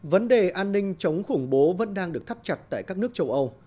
vấn đề an ninh chống khủng bố vẫn đang được thắt chặt tại các nước châu âu